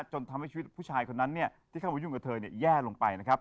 จนทำให้ชีวิตผู้ชายคนนั้นที่เข้ามายุ่งกับเธอแย่ลงไปนะครับ